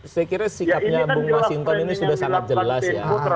saya kira sikapnya bung masinton ini sudah sangat jelas ya